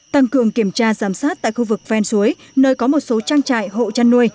tăng cường kiểm tra giám sát tại khu vực ven suối nơi có một số trang trại hộ chăn nuôi